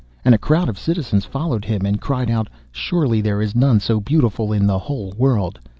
and a crowd of citizens followed him, and cried out, 'Surely there is none so beautiful in the whole world!